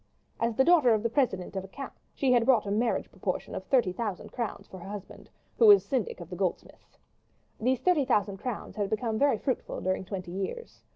As the daughter of a president of accounts, she had brought a marriage portion of thirty thousand crowns to her husband, who was syndic of the goldsmiths. These thirty thousand crowns had become very fruitful during twenty years.